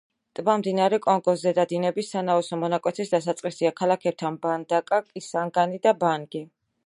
ტბა მდინარე კონგოს ზედა დინების სანაოსნო მონაკვეთის დასაწყისია ქალაქებთან მბანდაკა, კისანგანი და ბანგი.